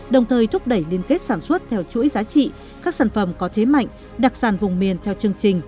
đồng thời thúc đẩy liên kết sản xuất theo chuỗi giá trị các sản phẩm có thế mạnh đặc sản vùng miền theo chương trình